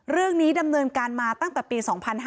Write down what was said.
เรื่องนี้ดำเนินการมาตั้งแต่ปี๒๕๕๔